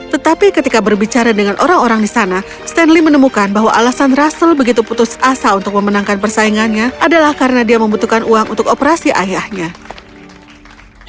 tetapi ketika berbicara dengan orang orang di sana stanley menemukan bahwa alasan russel begitu putus asa untuk memenangkan persaingannya adalah karena dia membutuhkan uang untuk operasi ayahnya